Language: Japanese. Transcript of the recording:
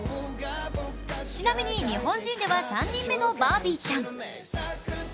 ちなみに日本人では３人目のバービーちゃん。